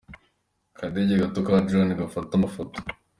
Akadege gato ka drone kafataga amafoto.